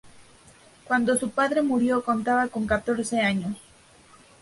Cuando su padre murió contaba con catorce años.